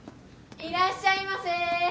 いらっしゃいませ！